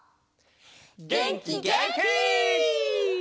げんきげんき！